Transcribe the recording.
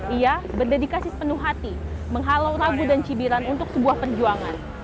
ia berdedikasi sepenuh hati menghalau ragu dan cibiran untuk sebuah perjuangan